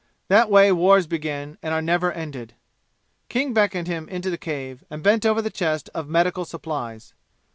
That way wars begin and are never ended. King beckoned him into the cave, and bent over the chest of medical supplies.